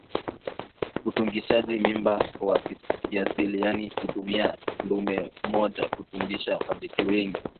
Utungishaji mimba wa kiasili yaani kutumia dume mmoja kutungisha majike wengi